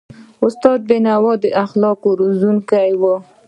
استاد بینوا د اخلاقو روزونکی و.